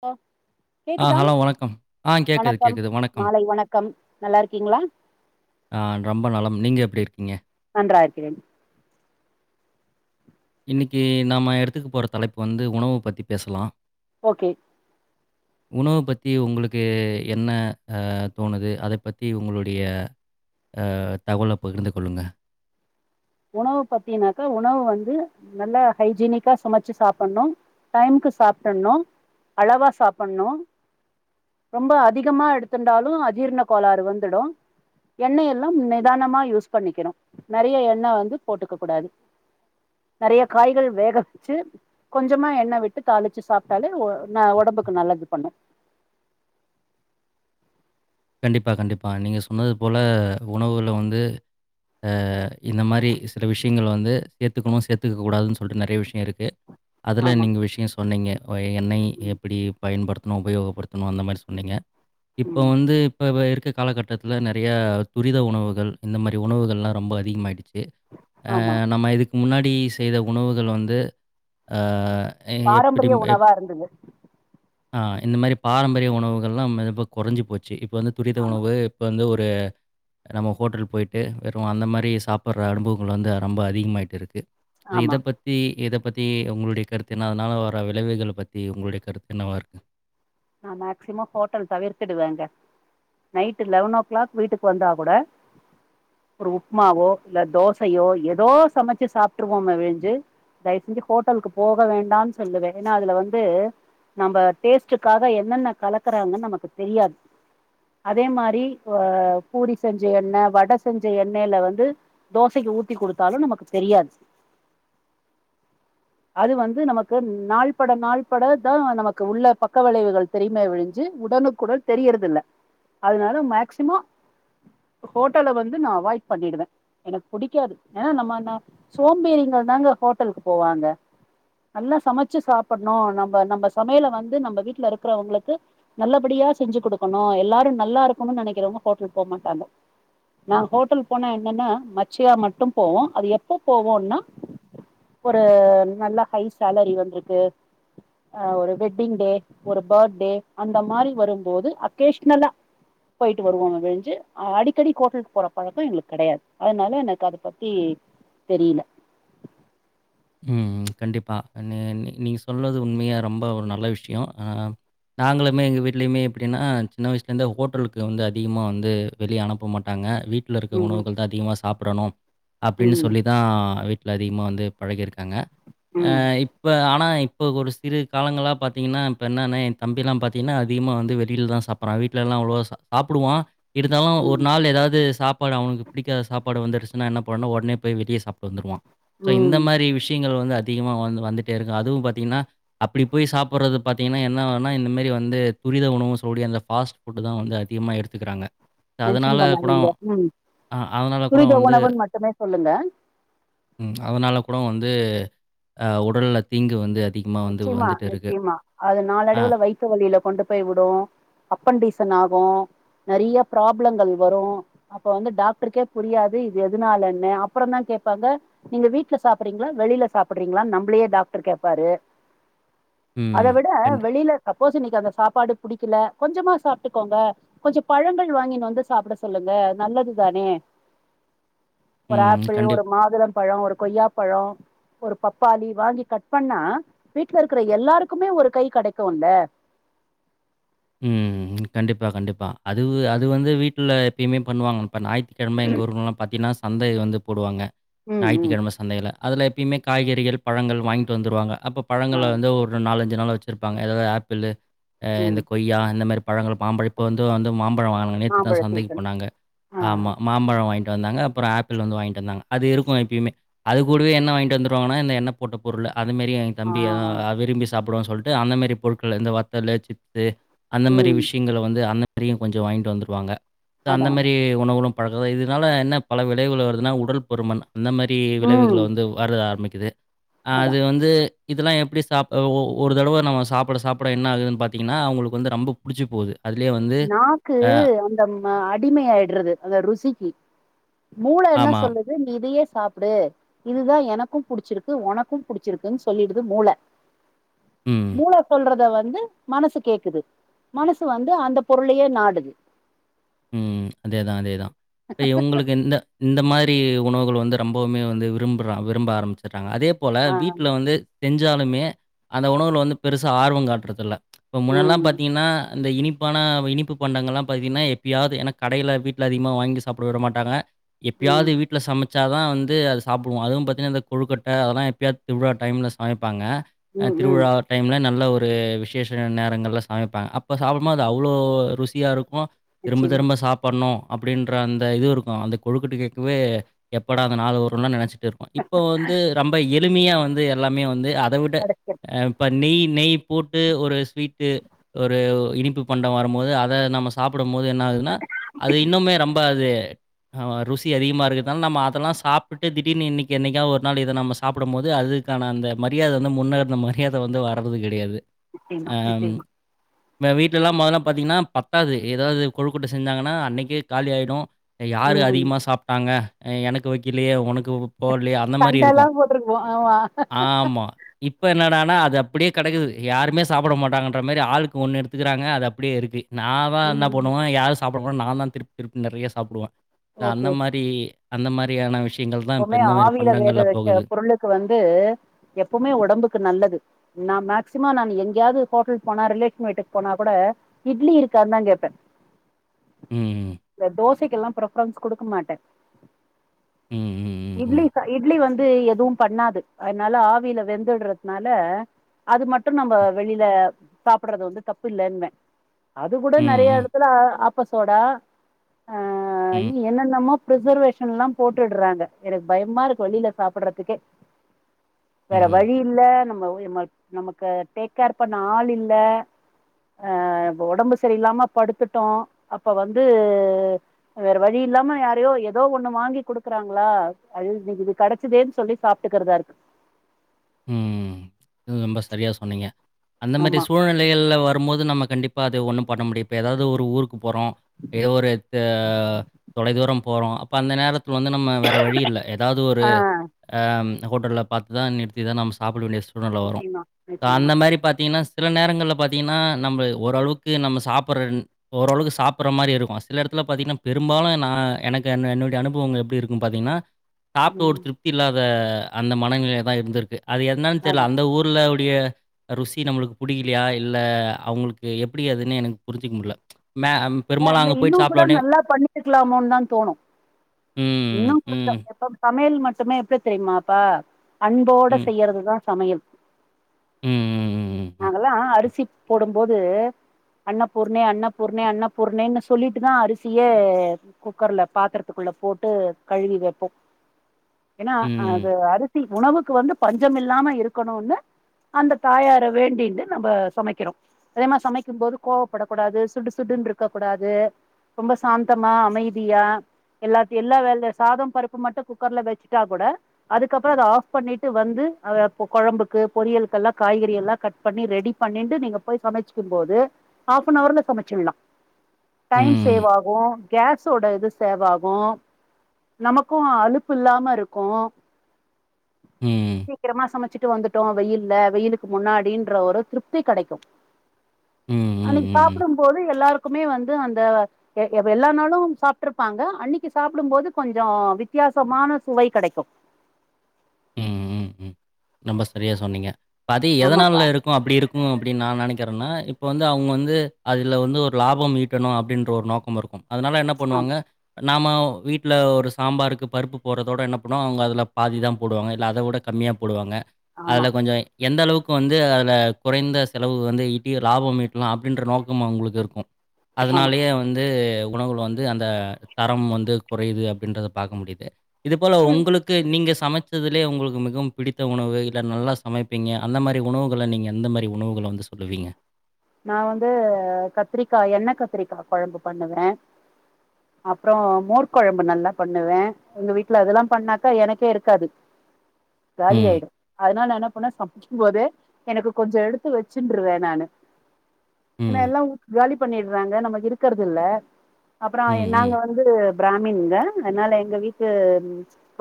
ஓ ஆஹ் கேக்குதா ஹலோ வணக்கம் ஆஹ் கேக்குது வணக்கம் கேக்குது வணக்கம் மாலை வணக்கம் நல்லா இருக்கீங்களா ஆஹ் ரொம்ப நலம் நீங்க எப் எப்படி இருக்கீங்க நன்றாயிருக்கிறே இன்னிக்கி நாம எடுத்துக்கு போற தலைப்பு வந்து உணவு பத்தி பேசலா ஓகே உணவ பத்தி உங்களுக்கு என்ன அ தோணுது அதப் பத்தி உங்களுடைய அ அ தகவலைப் பகிர்ந்து கொள்ளுங்க உணவு பத்தீனாக்கா உணவு வந்து நல்லா ஹைஜீனிக்கா சமைச்சு சாப்புன்ணு டைமுக்கு சாப்டர்ணு அளவா சாப்புர்ணு ரொம்ப அதிகமா எடுத்துன்டாலு அஜீர்ண கோளாறு வந்துடு எண்ணெய் எல்லாம் நிதானமா யூஸ் பண்ணிக்கணு நெறைய எண்ணெ வந்து போட்டுக்க கூடாது நெறைய காய்கள் வேக வெச்சு கொஞ்சமா எண்ணெய் விட்டு தாளிச்சு சாப்ட்டாலே ஒ ந ஒடம்புக்கு நல்லது பண்ணு கண்டிப்பா கண்டிப்பா நீங்க சொன்னது போல உணவுல வந்து அ இந்த மாரி சில விஷயங்கல் வந்து சேத்துக்கணு சேத்துக்க கூடாதுன்னு சொல்லிட்டு நறைய விஷயோ இருக்கு அதுல ஆமா நீங்க விஷயம் சொன்னீங்க எண்ணெய் ம் எப்பிடி பயன்படுத் உபயோகப்படுத்தணு அந்த மாரி சொன்னீங்க இப்ப ம் வந்து இப்போ இருக்கற காலகட்டத்துல நறையா துரித உணவுகள் இந்த மாரி உணவுகள்லா ரொம்ப அதிகமாயிடுச்சு சு ஆமா அ நம்ம இதுக்கு முன்னா டி செய்த உணவுகள் வந்து அ எப்படி பாரம்பரிய எப் உணவா இருந்தது அ இந்த மாரி பாரம்பரிய உணவுகள் எல்லா இப்போ குறைஞ்சு போச்சு வந்து துரித ஆமா உணவு இப்ப வந்து ஒரு [unintelligible] நம்ம ஹோட்டல் போய்ட்டு வெறும் அந்த மாரி சாப்புர்ற அனுபவங்கள் வந்து ரொம்ப அதிகமாகிட்டுருக்கு ஆமா இத பத்தி ஏத பத்தி உங்களுடைய கருத்து என்ன அதனால வர விளைவுகளை பத்தி உங்களுடைய கருத்து என்னவா இருக்கு நா மேக்சிமம் ஹோட்டல் தவிர்த்துடுவேங்க நைட் லெவன் ஓ கிளாக் வீட்டுக்கு வந்தா கூட ஒரு உப்புமாவோ இல்ல தோசையோ ஏதோ சமைச்சு சாப்ட்டுருவோமோ விழிஞ்சு தயவு செஞ்சு ஹோட்டலுக்கு போக வேண்டான்னு சொல்லுவே ஏன்னா அதுல வந்து நம்ம டேஸ்ட் க்காக என்னென்ன கலக்கறாங்கன்னு நமக்கு தெரியாது அதே மாரி பூரி செஞ்ச எண்ணெய் வடை செஞ்ச எண்ணெயில வந்து தோசைக்கு ஊத்தி கொடுத்தாலும் நமக்கு தெரியாது அது வந்து நமக்கு நாள்பட நாள்பட தா நமக்கு உள்ள பக்க பக்க விளைவுகள் தெரியுமே விழிஞ்சு உடனுக்குடன் தெரியறதுல்ல அதனால மேக்சிமம் ஹோட்டல வந்து நா அவாய்ட் பண்ணிடுவே எனக்கு புடிக்காது ஏன்னா நம்ம சோம்பேறிங்கள் தாங்க ஹோட்டலுக்கு போவாங்க நல்லா சமைச்சு சாப்புர்ணு நம்ம நம்ம சமையல வந்து நம்ம வீட்ல இருக்குறவங்களுக்கு நல்லபடியா செஞ்சு குடுக்கணு எல்லாரும் நல்லா இருக்கணுன்னு நெனைக்கிறவங்க ஹோட்டல் போக மாட்டாங்க நா ஹோட்டல் போனா என்னன்னா மச்சியா மட்டு போவோ அது எப்போ போவோன்னா ஒரு நல்ல ஹை சலரி வந்தது ஒரு வெட்டிங் டே ஒரு பர்த்டே அந்த மாரி வரும்போது அகேஷ்னலா போயிட்டு வருவோ விழிஞ்சு அ அடிக்கடி ஹோட்டலுக்கு போற பழக்கம் எங்களுக்கு கெடையாது அதனால எனக்கு அதப் பத்தி தெரியல ம் கண்டிப்பா நீ நீங்கள் சொன்னது உண்மையா ரொம்ப ஒரு நல்ல விஷயோ நாங்களுமே எங்கள் வீடலயுமே எப்டின்னா சின்ன வயசுலேருந்து ஹோட்டலுக்கு வந்து அதிகமா வந்து வெளியே அனுப்ப மாட்டாங்க வீட்ல இருக்கற ம் உணவுகள் தா அதிகமாக சாப்பர்ணு அப்டின்னு ம் சொல்லி தா விட் இல்ல அதிகமாக வந்து பழகிருக்கு இருக்கங்க அ ம் இப்ப ஆனா இப் இப்போ ஒரு சிரூ காலங்களா பாத்தீங்கன்னா இப்போ என்னன்னா என் தம்பில்லா பாத்தீங்ன்னா அதிகமா வந்து வெளியில தா சாப்பர்றா வீட்லலா அவ்ளோவா சா சாப்புடுவா இருந்தாலு ஒரு ம் நாள் ஏதாது சாப்பாடு அவனுக்கு பிடிக்காத சாப்பாடு வந்துருச்சின்னா என்ன பண்ணன்னு உடனே போய் வெளிய சாப் வந்துருவா சோ இங் ம் இந்த மாரி விஷயங்கள் வந்து அ அதிகமா வந்து வந்துட்டே இருக்கு அதுவு பாத்தீங்கன்னா அப்டி போய் சாப்ட்றது பாத்தீங்கன்னா என்ன ஆவுன்னா இந்தமாரி வந்து துரித உணவு சொல்லகூடிய அந்த ஃபாஸ்ட் ஃபுட்டு தா வந்து அதிகமா எடுத்துக்கிறாங்க மென்ஷன் அதனால கூட பண்ணாதீங்க ம் அ அதனால கூட துரித வந்து உணவுன்னு மட்டுமே சொல்லுங்க ம் அதனால கூட வந்து ஆ உடல்ல தீங்கு வந்து அதிகமா வந்து நிச்சயமா வந்துட்டு இருக்கு. நிச்சயமா அது அ. நாளடைவுல வயித்து வழில கொண்டு போய் விடு அப்பன்டீசன் ஆகு நெறையா ப்ராப்ளங்கள் வரு அப்ப வந்து டாக்டருக்கே புரியாது இது எதுனாலன்னு அப்பறோ தா கேப்பாங்க நீங்க வீட்ல சாப்றீங்களா வெளில சாப்றீங்களான்னு நம்பளயே டாக்டர் கேப்பாரு ம். அத விட கண்டி வெளில சாப் சப்போஸ் இன்னக்கி அந்த சாப்பாடு புடிக்கல கொஞ்சமா சாப்ட்டுக்கோங்க கொஞ்சோ பழங்கள் வாங்கின்னு வந்து சாப்ட சொல்லுங்க நல்லதுதானே ஒரு ம். ஆப்பிள் கண்டிப் ஒரு மாதுளம் பழம் ஒரு கொய்யாப்பழம் ஒரு பப்பாளி வாங்கி கட் பண்ணா வீட்ல இருக்கிற எல்லாருக்குமே ஒரு கை கெடைக்குல்ல ம் கண்டிப்பா கண்டிப்பா அது அது வந்து வீட்ல எப்பயுமே பண்ணுவாங்க ஞாயித்துக்கிழம எங்க ஊர்லல்லா பாத்தீன்னா சந்தை வந்து போடுவாங்க ம் ம் ஞாயி்த்துக்கிழம சந்தைல அதுல எப்பயுமே காய்கறிகள் பழங்கள் வாங்கிட்டு வந்துருவாங்க அப்போ ஆ பழங்கள்ல வந்து ஒரு நாலஞ் அஞ்சி நாளு வச்சிருப்பாங்க ஏதாவது ஆப்பிள்ளு அ ம் எந்த கொய்யா இந்த மாரி பழங்கள் மாம்பழப் இப்ப வந்து வந்து மாம் பழம் வாங்குனாங்க நேத்து தா மாம்பழ சந்தைக்கு சீசன் போனாங்க ஆ ஆமா மாம்பழம் வாங்கிட் வாங்கிட்டு வந்தாங்க அப்பறோ ஆப்பிள் வந்து வாங்கிட்டு வந்தாங்க அது இருக்கு எப்பயுமே அது கூடவே என்ன வாங்கிட்டு வந்துருவாங்கன்னா இந்த என்ன போட்ட பொருள அது மாரி எங்க ஆ தம்பி ஆ விரும்பி சாப் போடுவோ சொல்ட்டு அந்த மாரி பொருட்கள் இந்த வத்தலு சிப் ரே அந்த மாரி ம் விஷயங்கள வந்து அந்த அதயு கொஞ்சோ வாங்கிட்டு வந்துருவாங்க இந்த அந்த அதா அதா மாரி உணவுகளும் பழக்கத்த இதுனால என்ன பல விளைவுகள் வருதுன்னா உடல் பருமன் அந்த மாரி விளைவுகள ம் வந்து வர்றது ஆரம்பிக்கு இது ஆ அதா அது வந்து இதெல்லா எப்டி சாப்டோ ஒ ஒரு தடவ நம்ம சாப்ட சாப்ட என்ன ஆகுதுன்னு பாத் த்தீங்கன்னா அவுங்களுக்கு வந்து நம்பொ புடிச்சு போது நாக்கு அந்த அடிமையாயிடுது அந்த ருசிக்கு மூளை என்ன ஆமா. சொல்லுது நி இதையே சாப்பிடு இதுதா எனக்கும் புடிச்சிருக்கு உனக்கும் புடிச்சிருக்குன்னு சொல்லிடுது மூள ம். மூள சொல்றத து மனசு கேக்குது மனசு வந்து அந்த பொருளையே நாடு உம் அதேதா அதேதா இவுங்களுக்கு இந்த இந்த மாரி உணவுகள் வந் திரரொம்பவுமே வந்து விரும்புறா விரும்ப ஆரம்ச்சுர் அதே போல ஆ வீட்டுல வந்து செஞ்சாலுமே அந்த உணவு வந்து பெருசாக ஆர்வம் காட்டுறதுல்ல இப்ப முன்னலாம் எல்லாம் ம் பாாரத்தீங்கன்னா, அந்த இனிப்பான இனிப்பு பண்டங்களா பாத்தீங்கன்னாப் இப்பயாவது எனக்கு கடையில் வீட்டில் அதிகமாக வாங்கி சாப்பிட விட மாட்டாங்க ம் எப்பயாவது வீட்டுல சமைச் வச்சாாதான் வந்து அது சாப்பிடுவம் அதுவும் பார்த்தங்கனா கொலுக்கட்ட அதெல்லாம் எப்பயா [unintelligible] ப்பாங்க ம் ம் திருவிழா டைம்ல நல்ல ஒரு ஒரு விசேஷ நேரங்கல சமைப்பாங்க அப்ப சாப்பிடோ அது அவ்வளோ ருசியா இருக்கும் திரும்ப நிச்சயமா திரும்ப சாப்டணு அப்படின்ற அந்த இது இருக்கூ அந்த கொழுக்கட்டு கேட்கவே எப்படா அந்த நாலு வரும நினைச்சிட்டு இருக்கும்கோ இப்போ வந்து ரொம்ப எளிமையா வந்து எல்லாமே வந்து அத விட கிடைக்கிறது இப்ப நெய் நெய் போட்டு ஒரு ஸ்வீட்டு ஒரு இனிப்பு பண்டம் வரும்போது அத நம்ம சாப் போது என்ன ஆகுதுன்னா அது இன்னுமே ரொம்ப அது ஆவ ருசி அதிகமாக இருக்கதுனால நம்ம அதெல்லா சாப்பிட்டு திடீர்னு இன்னைக்கு என்னைக்காவ் ஒரு நாள் இத நம்ம சாப்டோம் போது அதுக்கான அந்த மரியாதை வந்து முன்னகர்ந்த மரியாதை வந்து வர்றது கிடையாது நிச்சயமா நிச்சயமா வீட்டு்ல்லா மொதல்லா பாத்தீங்கன்னா பத்தாது ஏதாதது கொழுக்கட்டை செஞ்சாங்கன்னா அன்னைக்கே காலி ஆகிடு இங்க யார்ரு ம் அதிகமாக சாப்ட்டாங்க ஆ எனக்கு வைக்கலையே உனக்கு போடலையே, அந்த மாரி சண்ட இருக்கும். எல்லாம் போட்டிருக்குவோ ஆமா ஆமா. இப்ப என்னடானா அது அப்டியே கடைக்குது யாருமே சாப்பிட மாட்டாங்கன்ற மாரி ஆளுக்கு ஒண்ணு எடுத்துக்குறாங்க அது அப்படியே இருக்கு நா இவ என்ன ம் பண்ணுவா யாஸ் சாப்டுங்கன் நான் தா திருப் திருப் நெறைய சாப்டுவா அந்த ஓகே மாரி அந்த மாரியான விஷ எப்பவுமே ஆவில வேக வச்ச பொருளுக்கு வந்து எப்பவுமே ஒடம்புக்கு நல்லது நான் மேக்சிமம் ந எங்கேயாவது ஹோட்டல போனா ரிலேஷன் வீட்டுக்கு போனா கூட இட்லி இருக்கான்னு தான் கேட்பே ம். இந்த தோஸ் சைக்கெல்லாம் பிரஃபரன்ஸ் கொடுக்க மாட்டே ம். ம். இ்ட்லி ம். இட்லி வந்து எதுவும் பண்ணாது அதனால ஆவியில வெந்துறதுனால அது மட்டும் நம்ம வெளில சாப்டுறது வந்து தப்பு இல்லைன்னுவ அது கூட ம். ம். நெறைய ம். ம். இடத்துல ஆப்பசோடா ஆ ம். இன்னி என்னென்னமோ பிரிசர்வேஷன் எலாம் போட்டுர்றாங்க எனக்கு பயமா இருக்கு வெளில சாப்பிர்றதுக்கே வேற ம். வழி இல்ல நமக்கு டேக்கேர் பண்ண ஆள் இல்ல ஆ ஒடம்பு சரியில்லாம படுத்துட்டோம் அப்ப வந்து வேற வழி இல்லாம யாரையோ ஏதோ ஒண்ணு வாங்கி கொடுக்கறாங்க உல்லா ஆ இதுக்கு இது கிடைச்சதேன்னு சொல்லி சாப்பிட்டுக்கறதா இருக்கு ம் ரொம்ப செரியா சொன்னீங்க அந்த மாரி ஆமா சூழ்நிலைகள்ல வரும்போது நமக் கண்டிப்பா அது ஒன்னு பண்ண முடியப்ப ஏதாவது ஒரு ஊருக்கு போகறோ ஏதோ ஒரு ஆ தொலை தூரம் போறோ அப்போ அந்த நேரத் துள் வந்து நம்ம வேற வழி இல்ல ஏதாவது ஒரு ஆ ஆம் ஹோட்டல்ல பாத்தது தான் நிறுத் இதா நம் சாப்டவேண்டிய சூ [unintelligible] வரோ நிச்சயமா ஆ நிச்சயமா அந்த மாரி பாத்தீங்கனா சில நேரங்கள்ல பாத்தீங்கனா நம்ம ஓரளவுக்கு நம்ம சாப்பட்றறின் ஓரளவுக்கு சாப்பிட்ற மாரி இருக்கோ சில இடத்துல பாத்தீங்கனா பெரும்பாலு நா எனக்கு என் என்னுடைய அனுபவங்கள் எப்டி இருக்கு பாத்தீங்னா சாப்ட்டு ஒரு ம் திருப்தி இல்லாத வே அந்த மனநிலைலதா இருந்திரு அது என்னன் தெர்ல அதா அந்த ஊர்ல டியே ருசி நம்மளுக்கு புடிக்கிலியா இல்ல அவுங்குளுக்கு எப்டி அதுன்னு எனக் புரிஞ்சுக்க முட்ல ச்ச ல இந்த இன்னு கூட நல்லா பண்ணி இருக்கலாமோன்னுதா தோணோ ம், இன்னு கொஞ்சோ ம், எப்ப மேல் மட்டுமே எப்டி தெரியுமாப்பா அன்போட ம், செய்யறதுதா சமயல் ம், ம், ம், நாங்கெல்லா அரிசி போடும்போது அண்ண பூர்ணே அண்ண பூர்ணே அண்ண பூர்ணேன்னு சொல்லிட்டுதா அரிசியே குக்கர்ல பாத்திரத்துக்குள்ள போட்டு கழுவி வெப்போ ஏனா ம், அது அரி சி உணவுக்கு வந்து பஞ்சமில்லாம இருக்கணோன்னு அந்த தாயார வேண்டின்ட்டு நம்ப சமைக்கிறோ அதே மாரி சமைக்கும் போது கோவப்படக்கூடாது சுடு சுடுன்று க்க கூடாது ரொம்ப சாந்தமா அமைதியா எல்லாதி எல்லா வேல சாதம் பருப்பு மட்டு குக்கர்ல வெச்சுட்டா கூட அதுக்கப்பறோ அத ஆஃப் பண்ணிட்டு வந்து அத கொழம்புக்கு பொரியலுக்கெல்லா காய்கறி எல்லா கட் பண்ணி ரெடி பண்ணின்டு நீங்க போய் சமைச்சிக்கும் போது ஹாஃப் ஆன் ஹோர்ல சமைச்சிலா ம், ம், டைம் ம், சேவ் ஆகோ கேஸோட இது சேவாகோ நமக்கோ அலுப்பு இல்லாம இருக்கோ ம், ம், ம், சீக்கிரமா சமச்சிட்டு வந்துட்டோ வெயில்ல வெயிலுக்கு முன்னாடின்ற ஒரு திருப்தி கெடைக்கு ம், ம், அன்னிக்கு ம், ம். சாப்புடும் போது எல்லாருக்குமே வந்து அந்த எ எல்லா நாளும் சாப்பிட்டுருப்பாங்க அன்னிக்கு சாப்புடும் போது கொஞ்சோ வித்தியாசமான சுவை கெடைக்கோ ம், ம், ம். ரொம்ப செரியா சொன்னீங்க பாதி ஆமாப்பா ஏதனால இருக்கோ அப்டி இரு உ அப்டின்னு நா நெனக்கிறேனா இப்போ வந்து அவுங்க வந்து அதில்ல வந்து ஒரு லாபம் ஈட்டணும் அப்படின்ற ஒரு நோக்கம் வருக்கும் அதுனால என்னா ஆமா பண்ணுவாங்க நாமவ் வீட்ல ஒரு சாம்பாருக்கு பருப்பு போடுறதோட என்ன பண்ணுவோ அவுங்க அதுல பாதிதா போடுவாங்க இல்ல அத விட கம்மியா போடுவாங்க ஆமா அதுல கொஞ்சோ எந்த அளவுக்கு வந்து அதுல குறைந்த செலவு வந்து ஈட்டி லாபம் ஈட்டலா அப்டின்ற நோக்கம் அவுங்ளுக்கு இருக்கோ ஆமா அதனாலயே வந்து உணவுகள் வந்து அந்த தரம் வந்து குறைது அப்டின்றத பாக்க முடியுது இது போல உங்குளுக்கு நீங்க சமச்சுதிலே உங்குளுக்கு மிகவும் பிடித்த உணவு இல்ல நல்லா சமைப்பீங்க அந்த மாரி உணவுகள நீங்க எந்த மாரி உணவுகள வந்து சொல்லுவீங்க நா வந்து கத்திரிக்காய் எண்ணெ கத்திரிக்கா கொழம்பு பண்ணுவே அப்புறோ மோர் கொழம்பு நல்லா பண்ணுவே எங்க வீட்ல அதெல்லா பண்ணாக்கா எனக்கே இருக்காது காலி ம், ஆயிடோ அதனால் நா என்ன போனா சமைச்சுக்கும் போது எனக்கு கொஞ்சோ எடுத்து வச்சுன்ட்டுருவே நானு ஏன்னா ம், எல்லாம் காலி பண்ணிடுறாங்க நமக்கு இருக்கறது இல்ல அப்புறம் ம், நாங்க ம், வந்து பிராமின்ங்க அதனால எங்க வீட்டு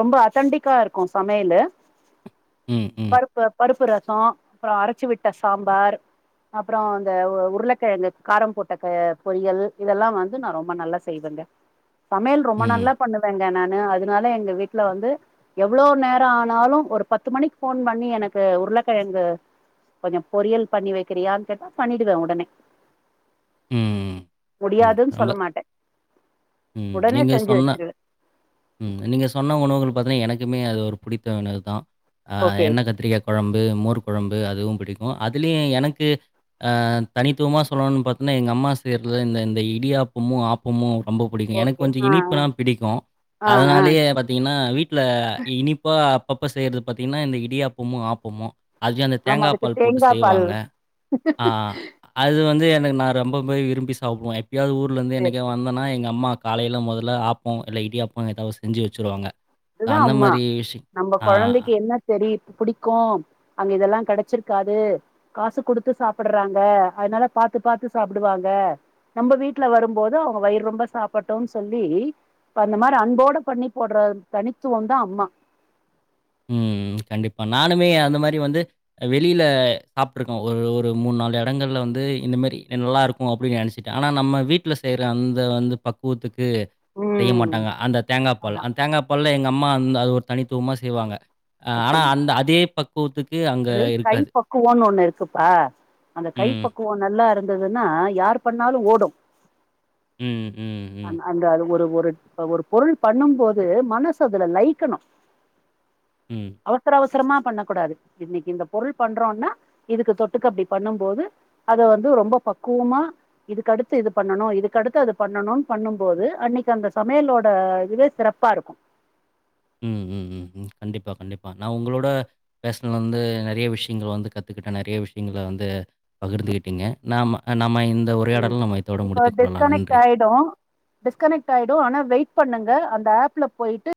ரொம்ப அத்தெண்டிக்கா இருக்கும் சமையல் உம் உம் பருப்பு ரசம் அப்புறம் அரைச்சி விட்ட சாம்பார் அப்புறம் அந்த உருளைக்கிழங்கு காரம் போட்ட பொரியல் இதெல்லாம் வந்து நான் ரொம்ப நல்லா செய்வேங்க சமையல் ரொம்ப நல்லா ம், பண்ணுவேங்க நான் அதனால எங்க வீட்டல வந்து எவ்வளோ நேரம் ஆனாலும் ஒரு பத்து மணிக்கு போன் பண்ணி எனக்கு உருளைக்கிழங்கு கொஞ்சம் பொரியல் பண்ணி வைக்கிறியா கேட்டா பண்ணிடுவே உடனே உம் உம் முடியாதுன்னு ரொம்ப சொல்ல மாட்டே உம் உடனே நீங்க செஞ்சு சொன்ன வச்சிருவே உம் நீங்க சொன்ன உணவுகள் பாத்தனா எனக்கு க்குமே அது ஒரு பிடித்த உணவு தான் ஓகே எண்ணெய் கத்திரிக்கா குழம்பு மோர் குழம்பு அதுவும் பிடி இருக்கும் அதுலயும் எனக்கு தனித்துவமா சொல்லணும்னு பார்த்த எங்க அம்மா செய்யறது இந்த இடியாப்பமும் ஆப்பமும் ரொம்ப பிடிக்கும் எனக்கு ஓகே கொஞ்சம் ஆ இனிப்புலாம் பிடிக்கும் ஆ ஆ ஆ அதனாலயே பார்த்தீங்கன்னா வீட்டில இனிப்பா அப்ப செய்யறது பார்த்தீங்கன்னா இந்த இடியாப்பமும் ஆப்பமும் அது அந்த ஆமா தேங்காய் அதுக்கு பால் போட்டு தேங்கா பால் செய்வாங்க அது வந்து [unintelligible] ரொம்பவே விரும்பி சாப்படுவே எப்பாவது ஊர்ல இருந்து டேஸ்ட் என்னைக்காவது வந்தனா எங்கள் அம்மாக்கு காலையில முதல்ல ஆப்பம் இல்லை இடிாயாப்பம் ஏதாவது செஞ்சு வச்சுருவாங்க அதுதான் அந்த அம்மா மாரி விஷயம் நம்ம ஆ. குழந்தைக்கு என்ன தெரியுது பிடிக்கும் அங்க இதெல்லாம் கிடைச்சிருக்காது காசு குடுத்து சாப்பிடுறாங்க அதனால பாத்து பாத்து சாப்பிடுவாங்க நம்ம வீட்டுல வரும்போது அவங்க வயிறு ரொம்ப சாப்பிட்டோன்னு சொல்லி அந்த மாதிரி அன்போட பண்ணி போடுற தனித்துவம் தான் அம்மா ஹ்ம் ஹ்ம் கண்டிப்பா நானுமே அந்த மாரி வந்து வெளியில சாப்பிட்டு இருக்கேன் ஒரு ஒரு மூணு நாலு இடங்கள்ல வந்து இந்த மாரி நல்லா இருக்கும் அப்படின்னு நினைச்சுட்டேன் ஆனா நம்ம வீட்டுல செய்யற அந்த வந்து பக்குவத்துக்கு செய்ய ம் மாட்டாங்க அந்த தேங்காய் பால் அதா அந்த தேங்காய் பால் எங்க அம்மா அந்த அது ஒரு தனித்துவமா செய்வாங்க ஆஹ் ஆனா நிச்சயமா அந்த அதே பக்க அது கை பக்குவம்னு ஒண்ணு இருக்குப்பா அந்த கை ம். பக்குவம் நல்லா இருக்கு இருந்ததுன்னா யார் பண்ணாலும் ஓடும் ம், ம், அ ம், அந்த அது ஒரு ஒரு இப்ப ஒரு பொருள் பண்ணும்போது மனசு அதுல லைக்கணும் ம். அவசர அவச சீக்கிரமா பண்ணக் கூடாது இன்னைக்கு இந்த பொருள் பண்றோம்னா இதுக்கு தொட்டுக்க அப்படி பண்ணும்போது அத வந்து ரொம்ப பக்குவமா இதுக்கடுத்து இது பண்ணணும் இதுக்கடுத்து அது பண்ணணும்னு பண்ணும்போது அன்னைக்கு அந்த சமையலோட இதுவே சிறப்பா இருக்கும் ம் ம் ம் ம் கண்டிப்பா கண்டிப்பா நான் உங்களோட பேசனல வந்து நிறைய விஷயங்கள வந்து கத்துக்கிட்டேன் நிறைய விஷயங்கல வந்து பகிர்ந்துக்கிட்டீங்க. நாம நம்ம இந்த உ உரையாடல நம்ம இதோட இப்ப முடித்துக் கொள்ளலாம். டிஸ்கனெக்ட் நன்றி. ஆயிடும் டிஸ்கனெக்ட் ஆயிடும் ஆனா வெயிட் பண்ணுங்க அந்த ஆப் ல போயிட்டு